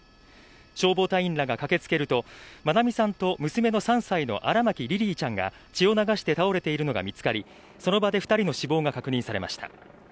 消防隊員らが駆けつけると愛美さんと娘の３歳の荒牧リリィちゃんが血を流して倒れているのが見つかり、その場で２人の死亡が確認されました。